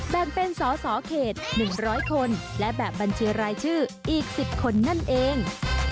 แบ่งเป็นสอสอเขต๑๐๐คนและแบบบัญชีรายชื่ออีก๑๐คนนั่นเอง